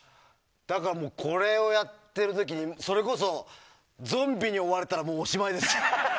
だからもう、これをやっている時それこそゾンビに追われたらもうおしまいです。